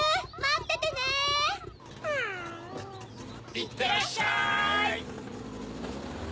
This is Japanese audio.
いってらっしゃい！